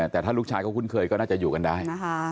แต่ถ้าลูกชายเขาคุ้นเคยก็น่าจะอยู่กันได้